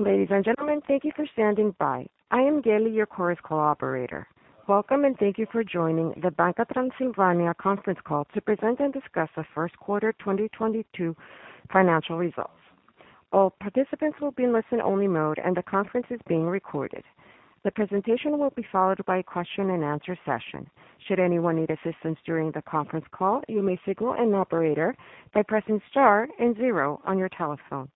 Ladies and gentlemen, thank you for standing by. I am Gaily, your Chorus Call operator. Welcome and thank you for joining the Banca Transilvania conference call to present and discuss the 1st quarter 2022 financial results. All participants will be in listen-only mode and the conference is being recorded. The presentation will be followed by question and answer session. Should anyone need assistance during the conference call, you may signal an operator by pressing star and zero on your telephone.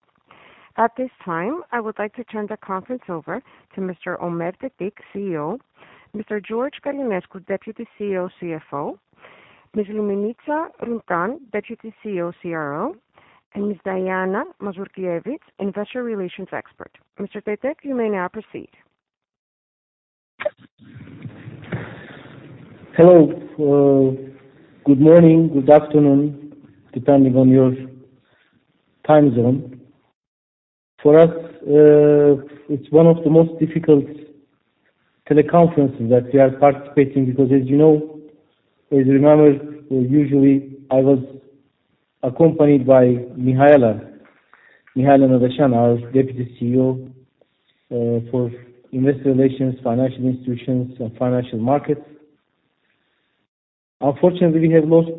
At this time, I would like to turn the conference over to Mr. Ömer Tetik, CEO, Mr. George Călinescu, Deputy CEO, CFO, Ms. Luminita Runcan, Deputy CEO, CRO, and Ms. Diana Mazurchievici, investor relations expert. Mr. Tetik, you may now proceed. Hello. Good morning, good afternoon, depending on your time zone. For us, it's one of the most difficult teleconferences that we are participating because as you know, as you remember, usually I was accompanied by Mihaela our Deputy CEO, for investor relations, financial institutions, and financial markets. Unfortunately, we have lost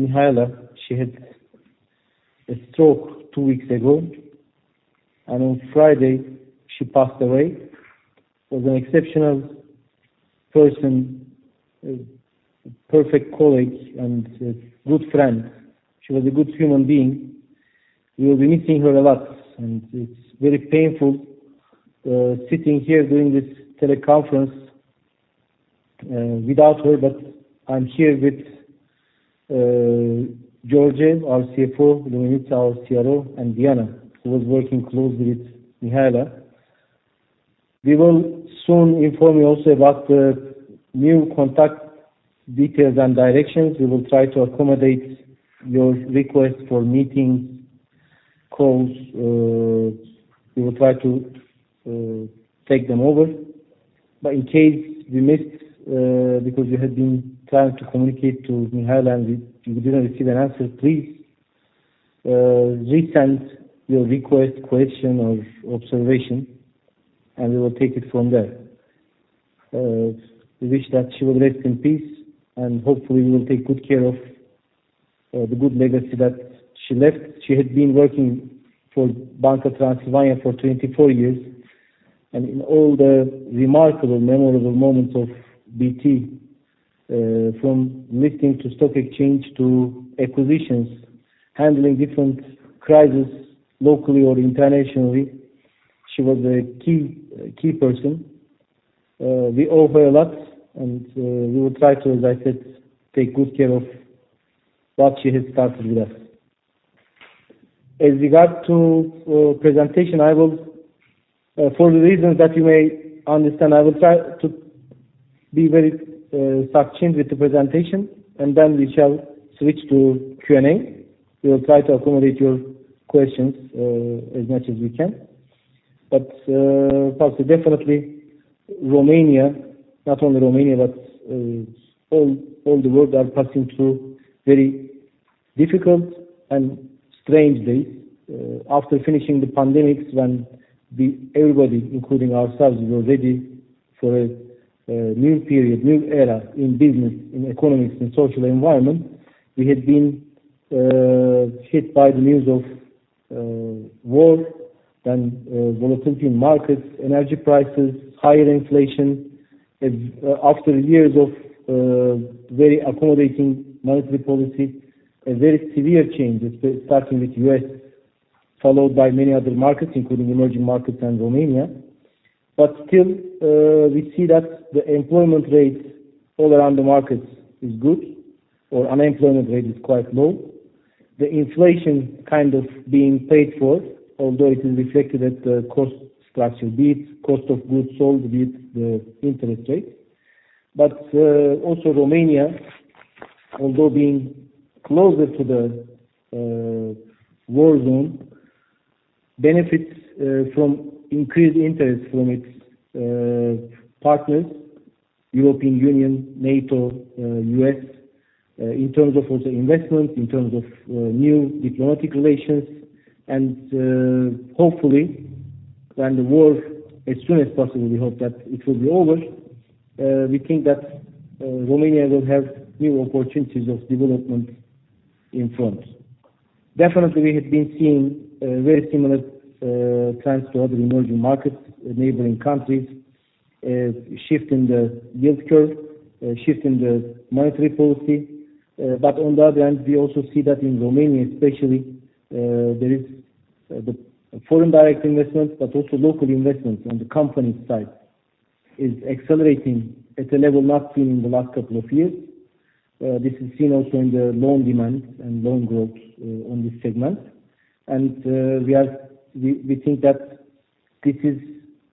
Mihaela. She had a stroke two weeks ago and on Friday she passed away. She was an exceptional person, a perfect colleague, and a good friend. She was a good human being. We will be missing her a lot, and it's very painful sitting here doing this teleconference without her. I'm here with George, our CFO, Luminita, our CRO, and Diana, who was working closely with Mihaela. We will soon inform you also about the new contact details and directions. We will try to accommodate your request for meetings, calls. We will try to take them over. In case we missed, because you had been trying to communicate to Mihaela and we didn't receive an answer, please resend your request, question or observation and we will take it from there. We wish that she will rest in peace, and hopefully we will take good care of the good legacy that she left. She had been working for Banca Transilvania for 24 years. In all the remarkable memorable moments of BT, from listing to stock exchange to acquisitions, handling different crisis locally or internationally, she was a key person. We owe her a lot and we will try to, as I said, take good care of what she has started with us. As regards to presentation, I will, for the reasons that you may understand, I will try to be very succinct with the presentation and then we shall switch to Q&A. We will try to accommodate your questions, as much as we can. First definitely Romania, not only Romania, but all the world are passing through very difficult and strange days. After finishing the pandemic, when everybody, including ourselves, was ready for a new period, new era in business, in economics, in social environment. We had been hit by the news of war and volatility in markets, energy prices, higher inflation. After years of very accommodating monetary policy, a very severe changes starting with U.S., followed by many other markets, including emerging markets and Romania. Still, we see that the employment rate all around the markets is good or unemployment rate is quite low. The inflation kind of being paid for, although it is reflected at the cost structure a bit, cost of goods sold a bit, the interest rate. Also Romania, although being closer to the war zone, benefits from increased interest from its partners, European Union, NATO, U.S., in terms of also investment, in terms of new diplomatic relations. Hopefully when the war as soon as possible, we hope that it will be over, we think that Romania will have new opportunities of development in front of us. Definitely we have been seeing very similar trends to other emerging markets, neighboring countries. Shift in the yield curve, shift in the monetary policy. On the other hand, we also see that in Romania especially, there is the foreign direct investments, but also local investments on the company side is accelerating at a level not seen in the last couple of years. This is seen also in the loan demand and loan growth on this segment. We think that this is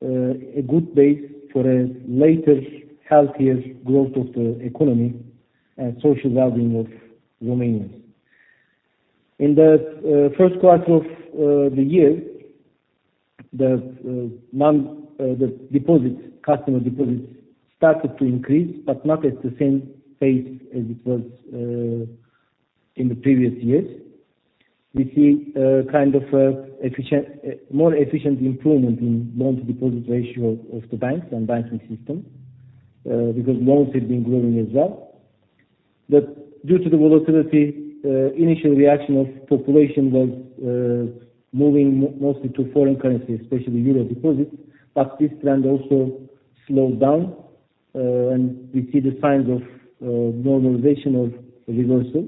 a good base for a later healthier growth of the economy and social wellbeing of Romanians. In the 1st quarter of the year, customer deposits started to increase, but not at the same pace as it was in the previous years. We see kind of more efficient improvement in loan-to-deposit ratio of the banks and banking system because loans have been growing as well. Due to the volatility, initial reaction of population was moving mostly to foreign currency, especially euro deposits, but this trend also slowed down. We see the signs of normalization of reversal.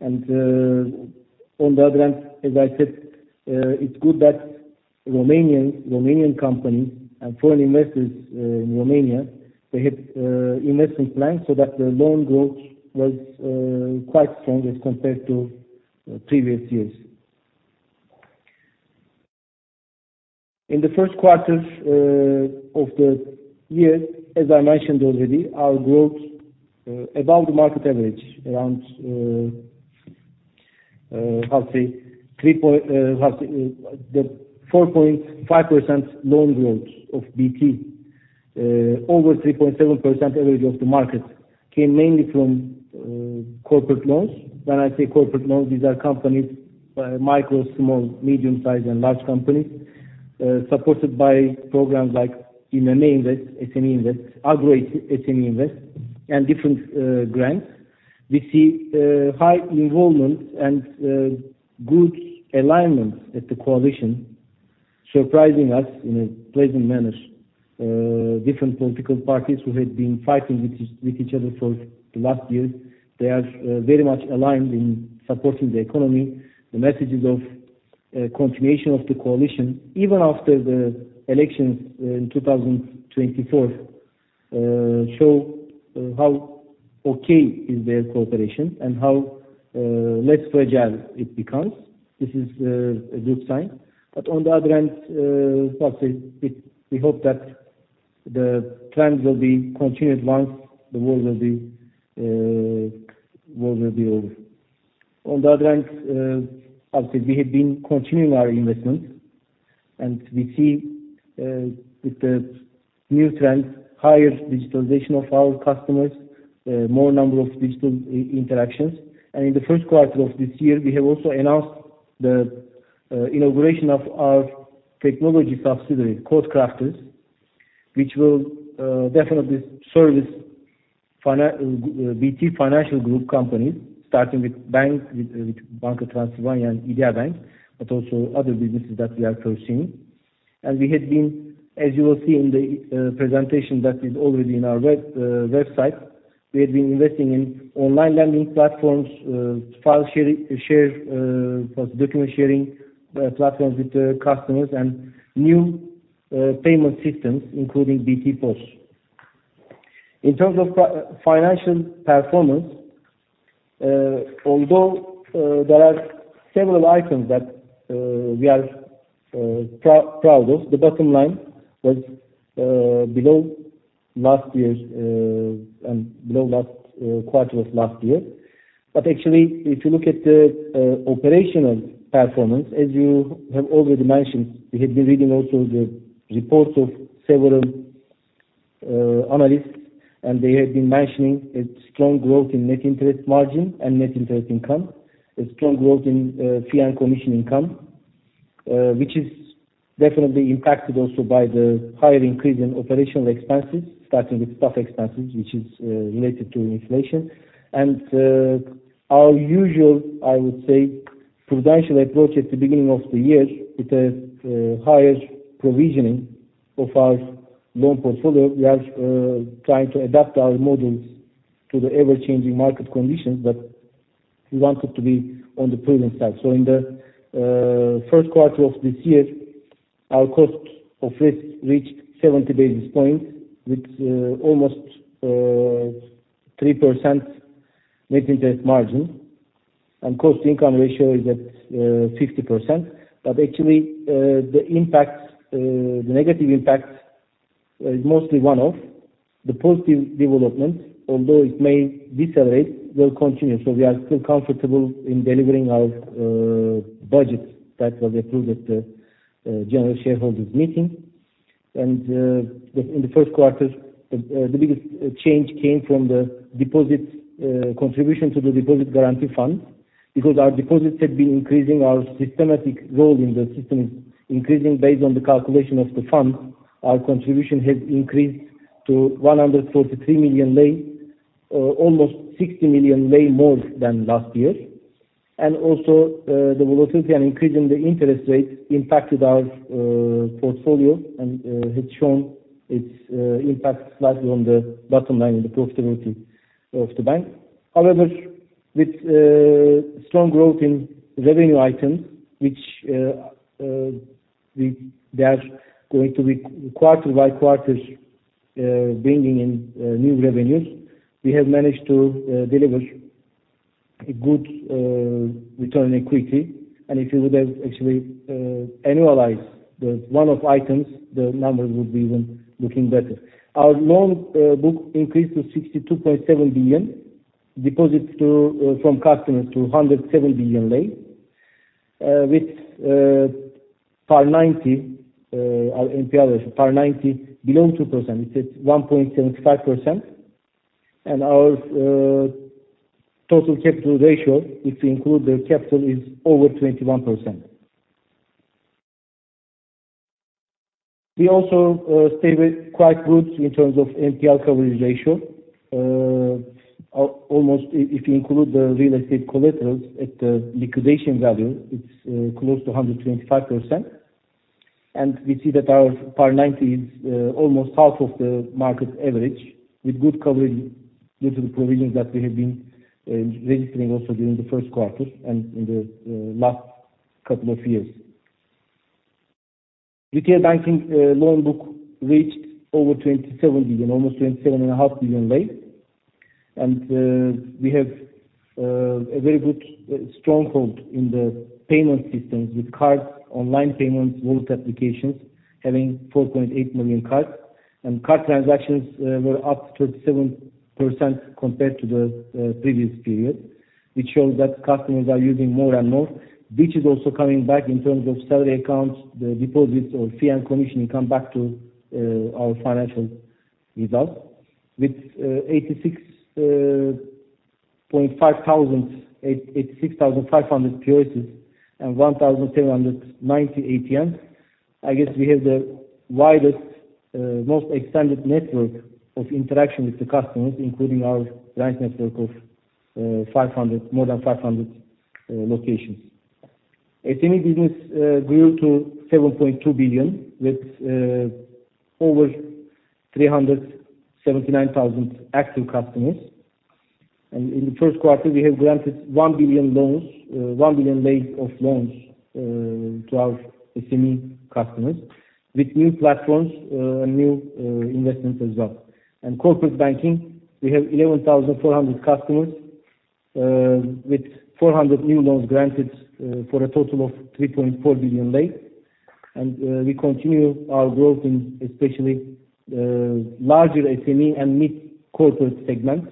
On the other hand, as I said, it's good that Romanian companies and foreign investors in Romania, they had investment plans so that the loan growth was quite strong as compared to previous years. In the 1st quarter of the year, as I mentioned already, our growth above the market average, around the 4.5% loan growth of BT over 3.7% average of the market came mainly from corporate loans. When I say corporate loans, these are companies, micro, small, medium-size, and large companies, supported by programs like IMM Invest, SME Invest, Agro SME Invest, and different grants. We see high involvement and good alignment at the coalition, surprising us in a pleasant manner. Different political parties who had been fighting with each other for the last years, they are very much aligned in supporting the economy. The messages of continuation of the coalition even after the elections in 2024 show how okay is their cooperation and how less fragile it becomes. This is a good sign. On the other hand, how to say, we hope that the trend will be continued once the war will be over. On the other hand, we have been continuing our investments and we see, with the new trends, higher digitalization of our customers, more number of digital interactions. In the 1st quarter of this year, we have also announced the inauguration of our technology subsidiary, Code Crafters, which will definitely service BT Financial Group companies, starting with banks, with Banca Transilvania and Idea Bank, but also other businesses that we are foreseeing. We had been, as you will see in the presentation that is already in our website, we had been investing in online lending platforms, file sharing, document sharing platforms with customers and new payment systems, including BT Pay. In terms of financial performance, although there are several items that we are proud of, the bottom line was below last year's and below last quarter's last year. Actually if you look at the operational performance, as you have already mentioned, we had been reading also the reports of several analysts, and they had been mentioning a strong growth in net interest margin and net interest income, a strong growth in fee and commission income, which is definitely impacted also by the higher increase in operational expenses, starting with staff expenses which is related to inflation. Our usual, I would say, prudential approach at the beginning of the year with a higher provisioning of our loan portfolio. We are trying to adapt our models to the ever-changing market conditions. We wanted to be on the prudent side. In the 1st quarter of this year, our cost of risk reached 70 basis points with almost 3% net interest margin. Cost income ratio is at 50%. Actually, the impact, the negative impact, is mostly one-off. The positive developments, although it may decelerate, will continue. We are still comfortable in delivering our budget that was approved at the general shareholders meeting. In the 1st quarter, the biggest change came from the deposit contribution to the Deposit Guarantee Fund. Because our deposits had been increasing our systemic role in the system, increasing based on the calculation of the fund, our contribution had increased to RON 143 million, almost RON 60 million more than last year. Also, the volatility and increase in the interest rate impacted our portfolio and had shown its impact slightly on the bottom line in the profitability of the bank. However, with strong growth in revenue items, which we, that's going to be quarter by quarter, bringing in new revenues, we have managed to deliver a good return in equity. If you would have actually annualized the one-off items, the numbers would be even looking better. Our loan book increased to RON 62.7 billion. Deposits from customers to RON 107 billion. With past 90, our NPL ratio past 90 below 2%. It's at 1.75%. Our total capital ratio, if you include the capital, is over 21%. We also stay with quite good in terms of NPL coverage ratio. Almost, if you include the real estate collaterals at the liquidation value, it's close to 125%. We see that our past 90 is almost half of the market average with good coverage due to the provisions that we have been registering also during the 1st quarter and in the last couple of years. Retail banking loan book reached over RON 27 billion, almost RON 27.5 billion. We have a very good stronghold in the payment systems with cards, online payments, wallet applications, having 4.8 million cards. Card transactions were up 7% compared to the previous period, which shows that customers are using more and more, which is also coming back in terms of salary accounts, the deposits or fee and commission income come back to our financial results. With 86,500 POSs and 1,790 ATMs, I guess we have the widest most extended network of interaction with the customers, including our branch network of more than 500 locations. SME business grew to RON 7.2 billion with over 379,000 active customers. In the 1st quarter, we have granted RON 1 billion in loans to our SME customers with new platforms and new investments as well. In corporate banking, we have 11,400 customers, with 400 new loans granted, for a total of RON 3.4 billion. We continue our growth in especially larger SME and mid corporate segments,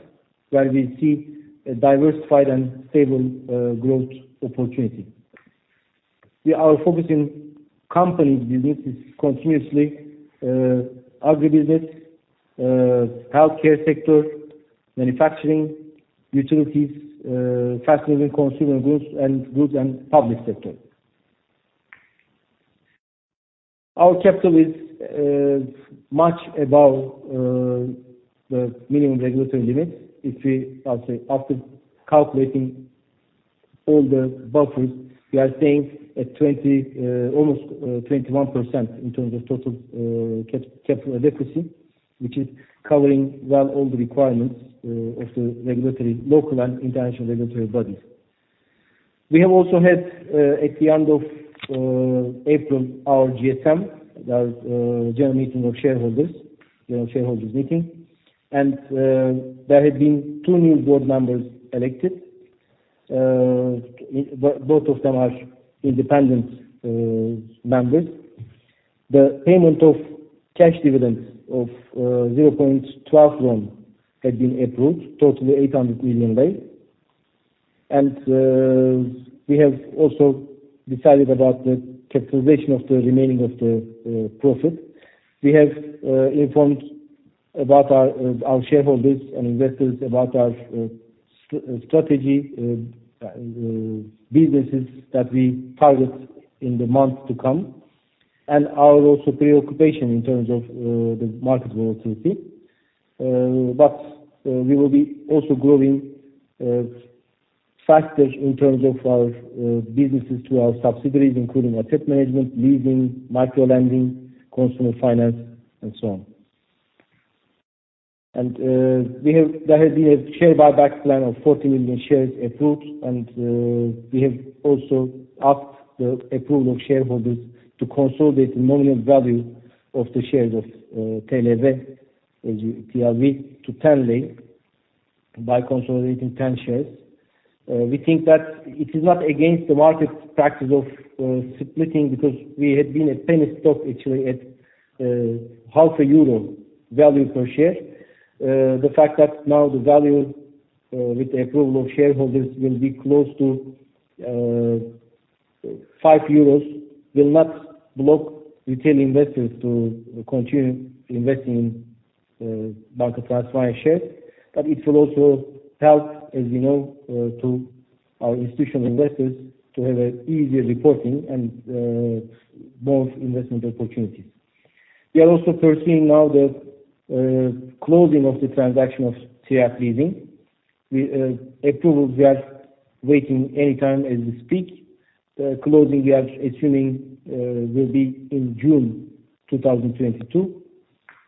where we see a diversified and stable growth opportunity. We are focusing company businesses continuously, agribusiness, healthcare sector, manufacturing, utilities, fast-moving consumer goods and goods, and public sector. Our capital is much above the minimum regulatory limits. I'll say, after calculating all the buffers, we are staying at 20%, almost 21% in terms of total capital adequacy, which is covering well all the requirements of the regulatory, local and international regulatory bodies. We have also had, at the end of April, our GSM, that is, general meeting of shareholders. There had been two new board members elected. Both of them are independent members. The payment of cash dividends of RON 0.12 had been approved, total RON 800 million. We have also decided about the capitalization of the remaining of the profit. We have informed our shareholders and investors about our strategy, businesses that we target in the months to come, and our also preoccupation in terms of the market volatility. We will be also growing faster in terms of our businesses to our subsidiaries, including asset management, leasing, micro-lending, consumer finance, and so on. There has been a share buyback plan of 40 million shares approved, and we have also asked the approval of shareholders to consolidate the nominal value of the shares of TLV, as in TLV, to RON 10 by consolidating 10 shares. We think that it is not against the market practice of splitting because we had been a penny stock actually at half a euro value per share. The fact that now the value with the approval of shareholders will be close to 5 euros will not block retail investors to continue investing Banca Transilvania shares, but it will also help, as you know, to our institutional investors to have an easier reporting and more investment opportunities. We are also pursuing now the closing of the transaction of Tiriac Leasing. We are waiting any time as we speak. Closing, we are assuming, will be in June 2022,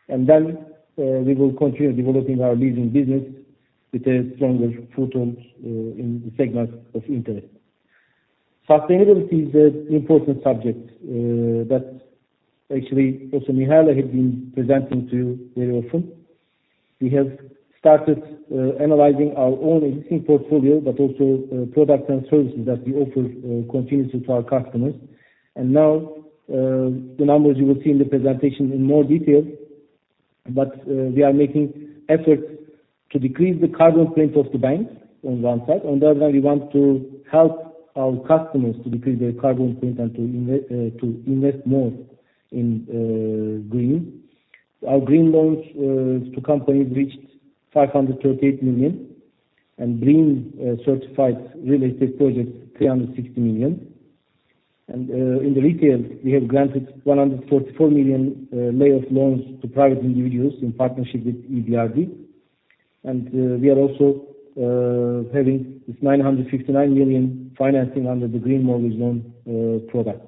and then we will continue developing our leasing business with a stronger foothold in the segment of interest. Sustainability is an important subject that actually also Mihaela had been presenting to you very often. We have started analyzing our own existing portfolio, but also products and services that we offer continuously to our customers. Now the numbers you will see in the presentation in more detail. We are making efforts to decrease the carbon footprint of the banks on one side. On the other side, we want to help our customers to decrease their carbon footprint and to invest more in green. Our green loans to companies reached RON 538 million and green certified real estate projects, RON 360 million. In the retail, we have granted RON 144 million lei of loans to private individuals in partnership with EBRD. We are also having this RON 959 million financing under the green mortgage loan product.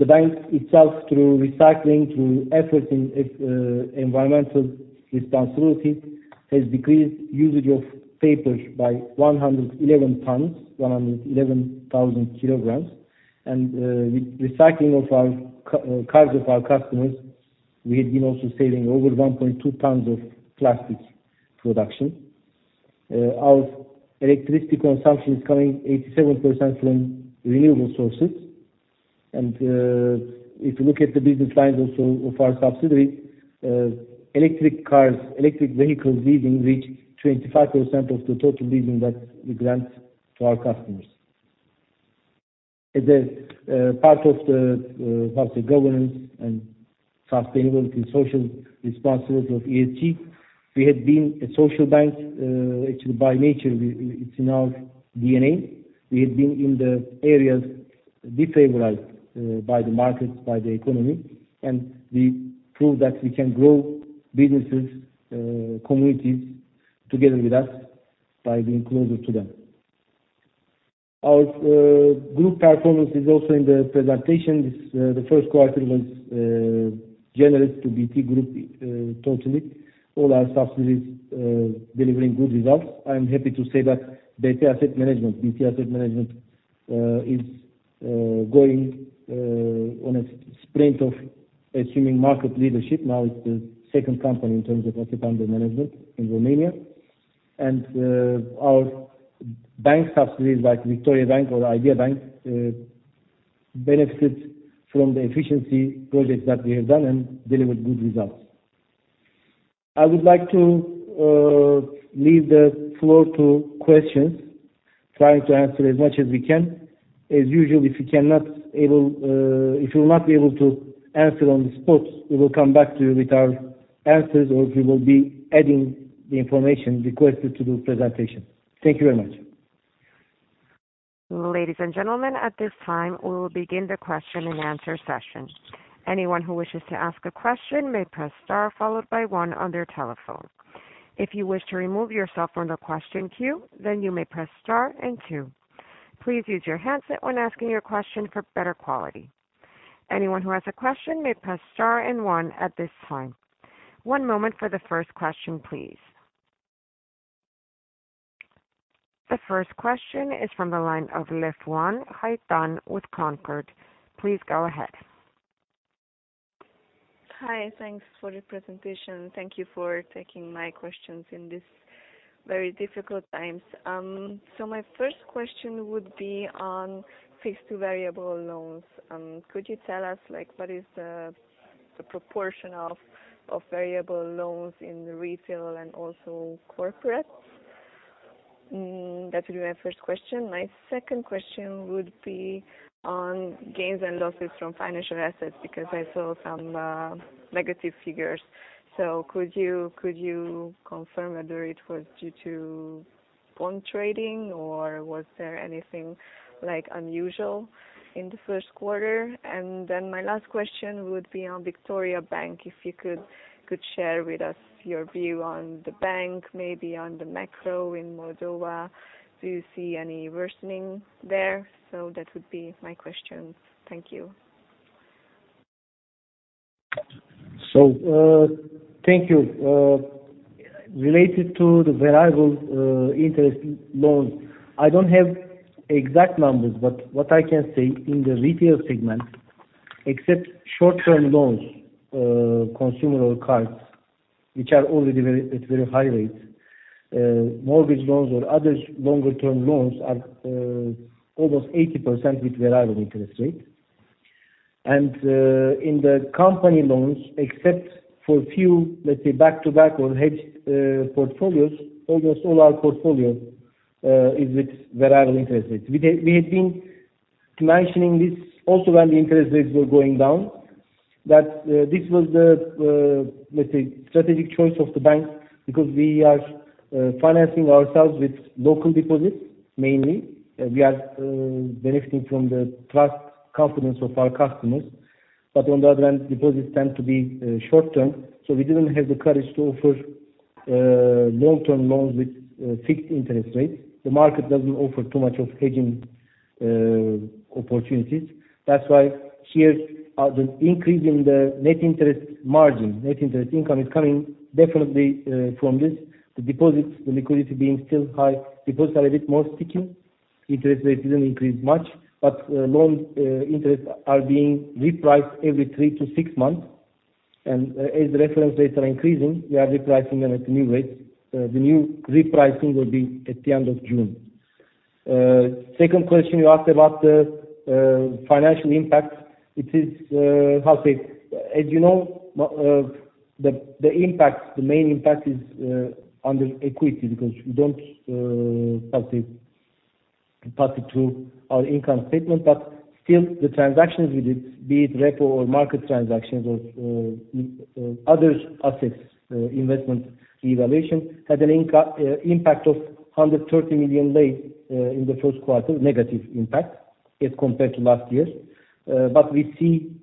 The bank itself, through recycling, through efforts in environmental responsibility, has decreased usage of paper by 111 tons, 111,000 kg. With recycling of our cars of our customers, we had been also saving over 1.2 tons of plastics production. Our electricity consumption is coming 87% from renewable sources. If you look at the business lines also of our subsidiary, electric cars, electric vehicles leasing reaches 25% of the total leasing that we grant to our customers. As a part of governance and sustainability, social responsibility of BT, we had been a social bank. Actually by nature, it's in our DNA. We had been in the areas disadvantaged by the markets, by the economy. We proved that we can grow businesses, communities together with us by being closer to them. Our group performance is also in the presentation. The 1st quarter was generous to BT Group, totally. All our subsidiaries delivering good results. I am happy to say that BT Asset Management is going on a sprint of assuming market leadership. Now it's the 2nd company in terms of assets under management in Romania. Our bank subsidiaries like Victoriabank or Idea::Bank benefit from the efficiency projects that we have done and delivered good results. I would like to leave the floor to questions, trying to answer as much as we can. As usual, if we will not be able to answer on the spot, we will come back to you with our answers, or we will be adding the information requested to the presentation. Thank you very much. Ladies and gentlemen, at this time, we will begin the question-and-answer session. Anyone who wishes to ask a question may press star followed by one on their telephone. If you wish to remove yourself from the question queue, then you may press star and two. Please use your handset when asking your question for better quality. Anyone who has a question may press star and one at this time. One moment for the 1st question, please. The 1st question is from the line of Liv Wan Haitan with Concorde. Please go ahead. Hi. Thanks for the presentation. Thank you for taking my questions in this very difficult times. My 1st question would be on fixed to variable loans. Could you tell us, like, what is the proportion of variable loans in the retail and also corporate? That will be my 1st question. My 2nd question would be on gains and losses from financial assets, because I saw some negative figures. Could you confirm whether it was due to bond trading or was there anything, like, unusual in the 1st quarter? My last question would be on Victoriabank, if you could share with us your view on the bank, maybe on the macro in Moldova. Do you see any worsening there? That would be my questions. Thank you. Thank you. Related to the variable interest loans, I don't have exact numbers, but what I can say in the retail segment, except short-term loans, consumer or cards, which are already very at very high rates, mortgage loans or other longer term loans are almost 80% with variable interest rate. In the company loans, except for few, let's say, back-to-back or hedged portfolios, almost all our portfolio is with variable interest rates. We have been mentioning this also when the interest rates were going down, that this was the, let's say, strategic choice of the bank because we are financing ourselves with local deposits mainly. We are benefiting from the trust, confidence of our customers. On the other hand, deposits tend to be short term, so we didn't have the courage to offer long-term loans with fixed interest rates. The market doesn't offer too much of hedging opportunities. That's why the increase in the net interest margin. Net interest income is coming definitely from this. The deposits, the liquidity being still high. Deposits are a bit more sticky. Interest rates didn't increase much, but loans interest are being repriced every three to six months. As reference rates are increasing, we are repricing them at new rates. The new repricing will be at the end of June. Second question you asked about the financial impact. It is, as you know, the main impact is under equity because we don't pass it through our income statement. Still the transactions with it, be it repo or market transactions or in other assets, investment evaluation had an impact of RON 130 million in the 1st quarter, negative impact as compared to last year. But we see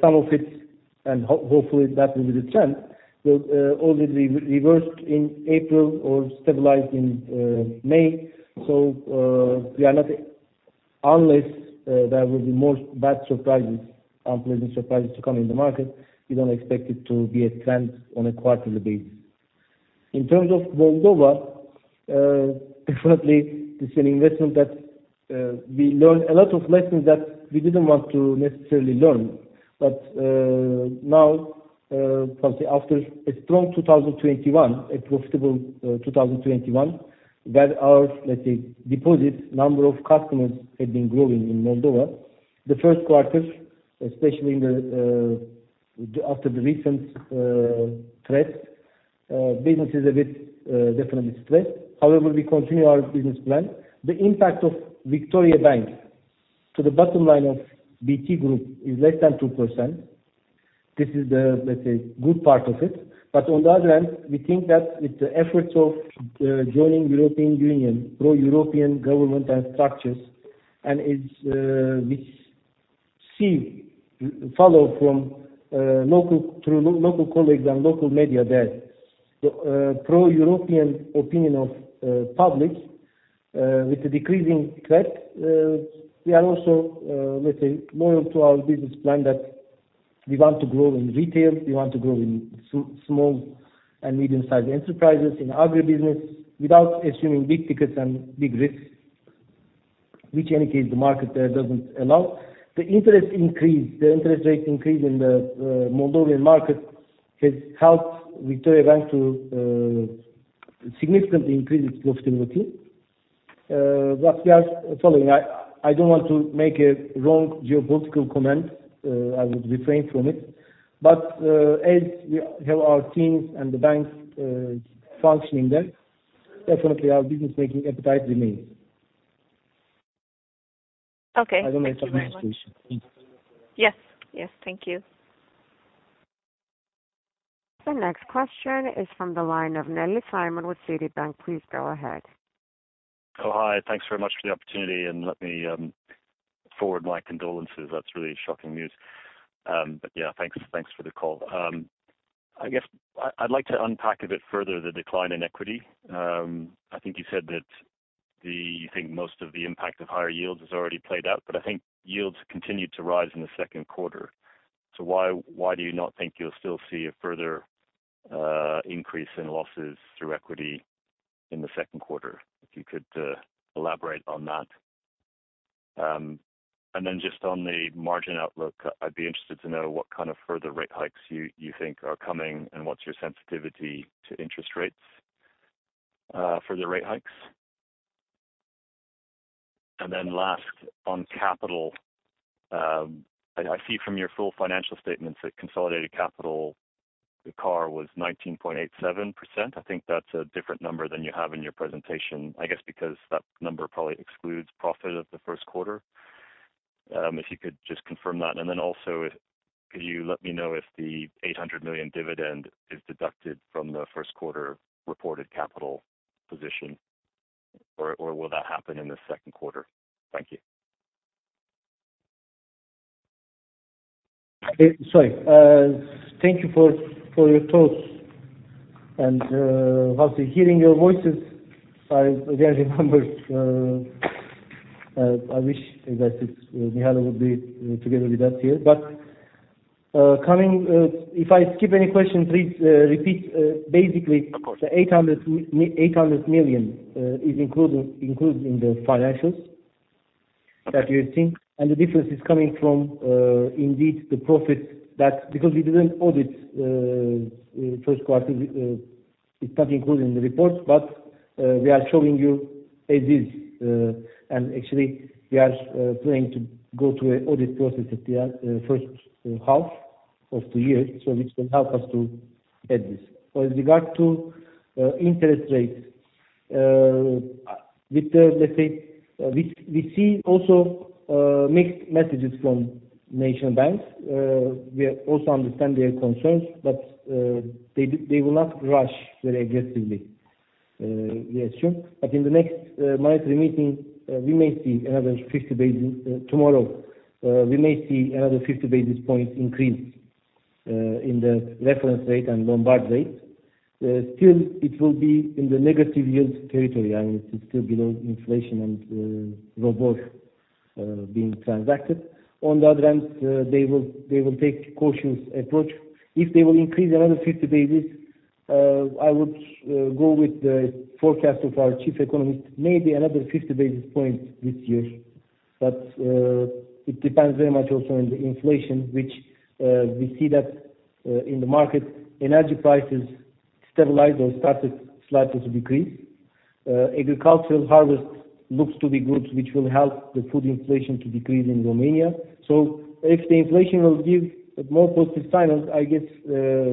some of it, and hopefully that will be the trend, will all be reversed in April or stabilized in May. We are not. Unless there will be more bad surprises, unpleasant surprises to come in the market, we don't expect it to be a trend on a quarterly basis. In terms of Moldova, definitely it's an investment that we learn a lot of lessons that we didn't want to necessarily learn. Now, after a strong 2021, a profitable 2021, where our, let's say, deposits, number of customers had been growing in Moldova. The 1st quarter, especially in the days after the recent threat, business is a bit, definitely stressed. However, we continue our business plan. The impact of Victoriabank to the bottom line of BT Group is less than 2%. This is the, let's say, good part of it. On the other hand, we think that with the efforts of joining European Union, pro-European government and structures, and we see from local colleagues and local media that pro-European opinion of the public with the decreasing threat, we are also, let's say, loyal to our business plan that we want to grow in retail, we want to grow in small and medium sized enterprises, in agribusiness, without assuming big tickets and big risks, which in any case the market doesn't allow. The interest increase, the interest rate increase in the Moldovan market has helped Victoriabank to significantly increase its profitability. But we are following. I don't want to make a wrong geopolitical comment. I would refrain from it, but as we have our teams and the banks functioning there, definitely our business making appetite remains. Okay. Thank you very much. I don't want to comment on the situation. Yes. Yes. Thank you. The next question is from the line of Nelly Saijan with Citibank. Please go ahead. Oh, hi. Thanks very much for the opportunity, and let me forward my condolences. That's really shocking news. Yeah, thanks for the call. I guess I'd like to unpack a bit further the decline in equity. I think you said that you think most of the impact of higher yields has already played out, but I think yields continued to rise in the 2nd quarter. Why do you not think you'll still see a further increase in losses through equity in the 2nd quarter? If you could elaborate on that. Then just on the margin outlook, I'd be interested to know what kind of further rate hikes you think are coming, and what's your sensitivity to interest rates for the rate hikes? Last, on capital, I see from your full financial statements that consolidated capital, the CAR was 19.87%. I think that's a different number than you have in your presentation, I guess, because that number probably excludes profit of the 1st quarter. If you could just confirm that. Could you let me know if the RON 800 million dividend is deducted from the 1st quarter reported capital position, or will that happen in the 2nd quarter? Thank you. Sorry. Thank you for your thoughts. Hearing your voices, I again remembered, I wish that Mihaela would be together with us here. If I skip any question, please repeat. Basically. Of course. The RON 800 million is included in the financials that you're seeing, and the difference is coming from indeed the profit. Because we didn't audit 1st quarter, it's not included in the report. We are showing you as is. Actually we are planning to go through an audit process at the 1st half of the year, so which will help us to add this. With regard to interest rates, with the, let's say, we see also mixed messages from national banks. We also understand their concerns, they will not rush very aggressively. Yes, sure. In the next monetary meeting, tomorrow we may see another 50 basis points increase in the reference rate and Lombard rate. Still it will be in the negative yields territory. I mean, it's still below inflation and ROBOR being transacted. On the other hand, they will take cautious approach. If they will increase another 50 basis points, I would go with the forecast of our chief economist, maybe another 50 basis points this year. It depends very much also on the inflation, which we see that in the market, energy prices stabilized or started slightly to decrease. Agricultural harvest looks to be good, which will help the food inflation to decrease in Romania. If the inflation will give a more positive sign on, I guess,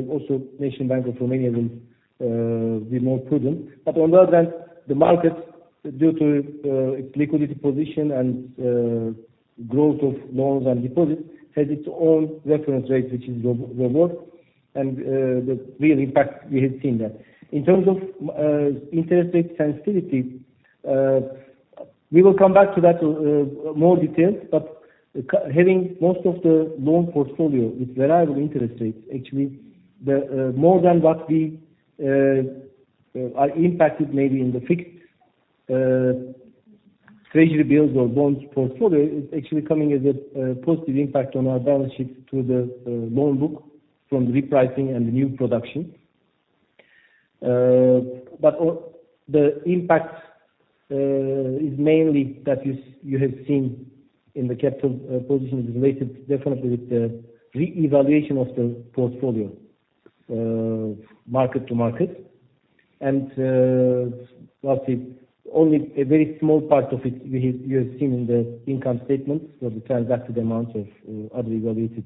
also National Bank of Romania will be more prudent. On the other hand, the market, due to its liquidity position and growth of loans and deposits, has its own reference rates, which is ROBOR. The real impact we have seen that. In terms of interest rate sensitivity, we will come back to that more details. Having most of the loan portfolio with variable interest rates, actually the more than what we are impacted maybe in the fixed treasury bills or bonds portfolio is actually coming as a positive impact on our balance sheet to the loan book from the repricing and the new production. The impact is mainly that you have seen in the capital position is related definitely with the revaluation of the portfolio, mark-to-market. Only a very small part of it we have seen in the income statement. The transacted amount of other evaluated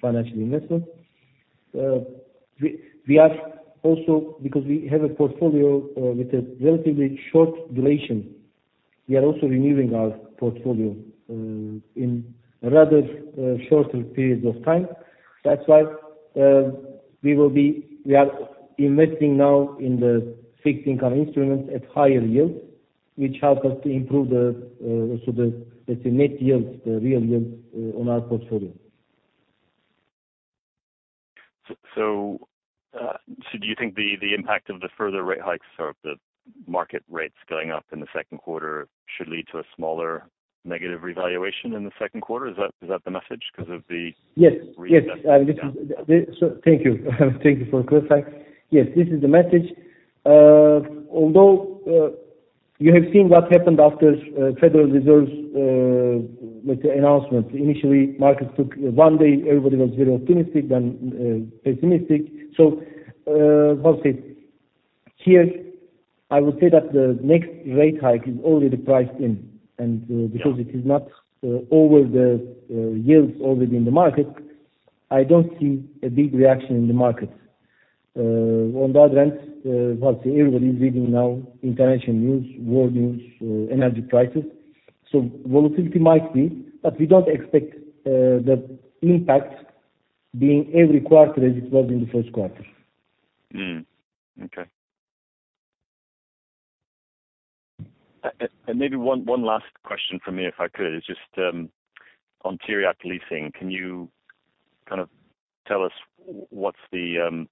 financial investment. Because we have a portfolio with a relatively short duration, we are also renewing our portfolio in rather shorter periods of time. That's why we are investing now in the fixed income instruments at higher yields, which help us to improve the, let's say, net yields, the real yields on our portfolio. Do you think the impact of the further rate hikes or the market rates going up in the 2nd quarter should lead to a smaller negative revaluation in the 2nd quarter? Is that the message because of the- Yes. Yes. Reinvestment down? Thank you. Thank you for clarifying. Yes, this is the message. Although you have seen what happened after Federal Reserve's, let's say, announcement. Initially, markets took one day, everybody was very optimistic, then pessimistic. How to say, here, I would say that the next rate hike is already priced in. And Yeah. Because it is not over the yields already in the market, I don't see a big reaction in the market. On the other hand, how to say, everybody is reading now international news, world news, energy prices. Volatility might be, but we don't expect the impact being every quarter as it was in the 1st quarter. Okay. Maybe one last question from me, if I could, is just on Tiriac Leasing. Can you kind of tell us what's the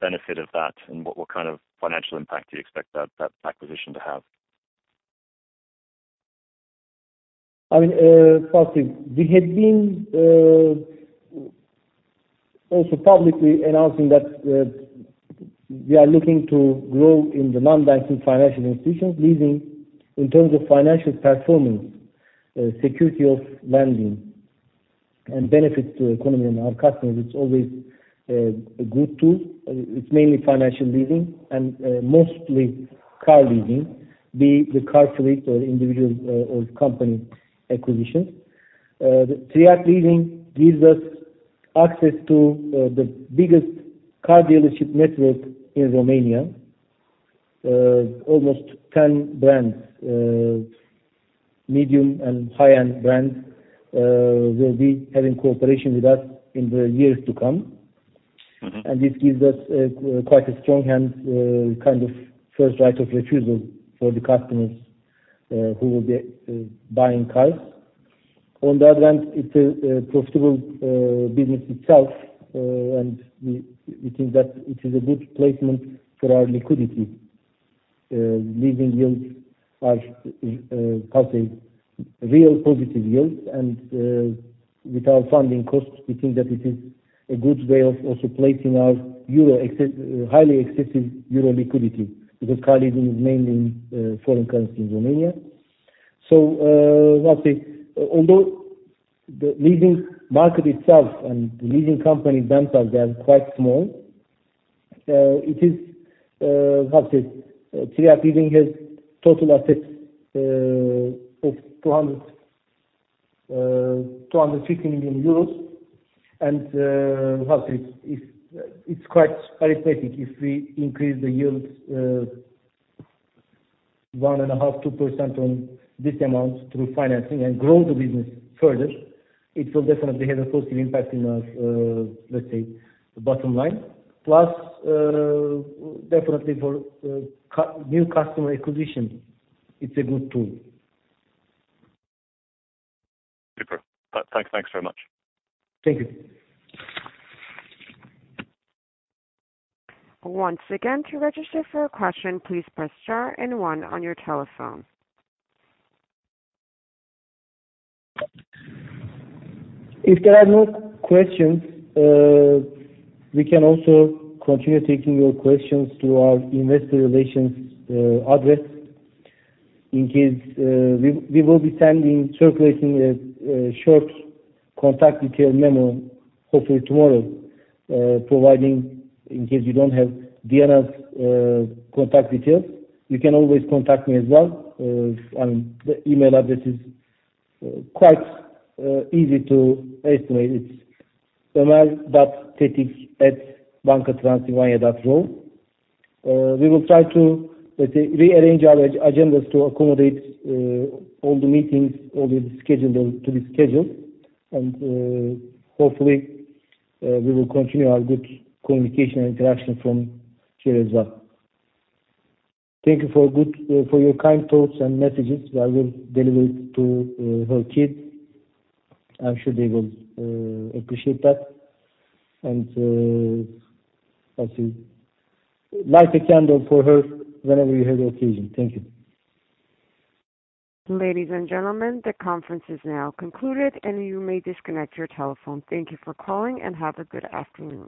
benefit of that and what kind of financial impact do you expect that acquisition to have? I mean, we had been also publicly announcing that we are looking to grow in the non-banking financial institutions leasing in terms of financial performance, security of lending and benefits to economy and our customers. It's always a good tool. It's mainly financial leasing and mostly car leasing, be it the car fleet or individual or company acquisitions. The Tiriac Leasing gives us access to the biggest car dealership network in Romania. Almost 10 brands, medium and high-end brands, will be having cooperation with us in the years to come. Mm-hmm. This gives us a quite a strong hand, kind of 1st right of refusal for the customers who will be buying cars. On the other hand, it's a profitable business itself. We think that it is a good placement for our liquidity. Leasing yields are really positive yields. With our funding costs, we think that it is a good way of also placing our euro excess, highly excessive euro liquidity, because car leasing is mainly in foreign currency in Romania. Although the leasing market itself and the leasing company, Tiriac, they are quite small, it is Tiriac Leasing has total assets of EUR 250 million. How to say, if it's quite arithmetic, if we increase the yields 1.5% to 2% on this amount through financing and grow the business further, it will definitely have a positive impact in our, let's say, bottom line. Plus, definitely for new customer acquisition, it's a good tool. Super. Thanks, thanks very much. Thank you. Once again, to register for a question, please press star and one on your telephone. If there are no questions, we can also continue taking your questions through our investor relations address. In case, we will be sending, circulating a short contact detail memo, hopefully tomorrow. Providing in case you don't have Diana contact details. You can always contact me as well. The email address is quite easy to estimate. It's omer.tetik@bancatransilvania.ro. We will try to, let's say, rearrange our agendas to accommodate all the meetings, all the scheduled or to be scheduled. Hopefully, we will continue our good communication and interaction from here as well. Thank you for good, for your kind thoughts and messages. I will deliver it to her kids. I'm sure they will appreciate that. How to say, light a candle for her whenever you have the occasion. Thank you. Ladies and gentlemen, the conference is now concluded, and you may disconnect your telephone. Thank you for calling, and have a good afternoon.